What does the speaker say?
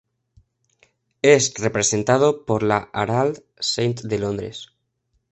Es representado por la Harald St de Londres.